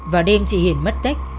vào đêm chị hiền mất tích